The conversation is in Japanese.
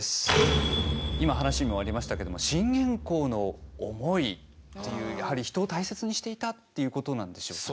今話にもありましたけどもやはり人を大切にしていたっていうことなんでしょうかね？